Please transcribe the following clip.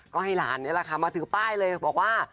ก็ให้หลานนี่แหละค่ะมาถือป้ายเลยบอกว่า